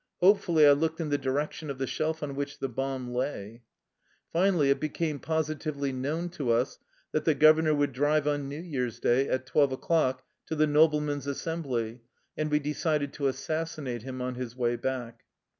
Hopefully I looked in the direc tion of the shelf on which the bomb lay. Finally it became positively known to us that the governor would drive on New Year's day, at twelve o'clock, to the Noblemen's Assembly, and we decided to assassinate him on his way back.